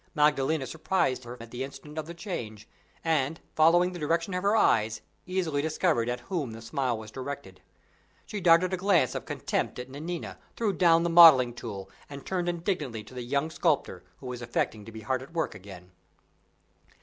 Maddalena surprised her at the instant of the change; and, following the direction of her eyes, easily discovered at whom the smile was directed. She darted a glance of contempt at Nanina, threw down the modeling tool, and turned indignantly to the young sculptor, who was affecting to be hard at work again.